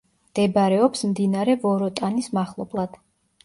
მდებარეობს მდინარე ვოროტანის მახლობლად.